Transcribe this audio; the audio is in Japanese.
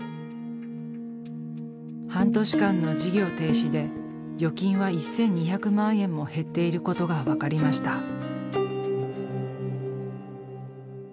半年間の事業停止で預金は１，２００万円も減っていることが分かりました。